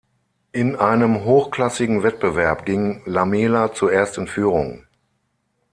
In einem hochklassigen Wettbewerb ging Lamela zuerst in Führung.